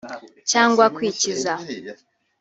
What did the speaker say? cyangwa kwikiza”